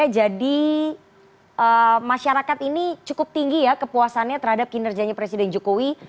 jadi masyarakat ini cukup tinggi ya kepuasannya terhadap kinerjanya presiden jokowi